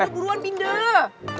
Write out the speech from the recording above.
salah lo buruan pindah